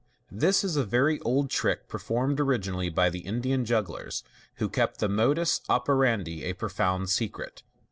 — This is a very old trick, performed originally by the Indian jugglers, who kept the modus operandi a pro found secret.